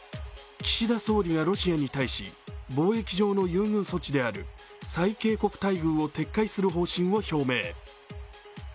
岸田総理はロシアに対し貿易上の優遇措置である最恵国待遇を撤回する方針を表明。